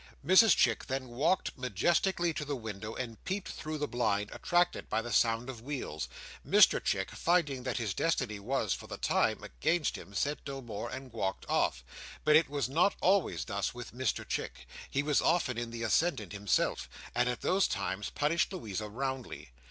Mrs Chick then walked majestically to the window and peeped through the blind, attracted by the sound of wheels. Mr Chick, finding that his destiny was, for the time, against him, said no more, and walked off. But it was not always thus with Mr Chick. He was often in the ascendant himself, and at those times punished Louisa roundly.